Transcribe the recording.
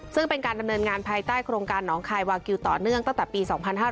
ซึ่งเป็นการดำเนินงานภายใต้โครงการหนองคายวากิลต่อเนื่องตั้งแต่ปี๒๕๕๙